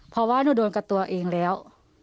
เพราะว่าหนูโดนกับตัวเองแล้ว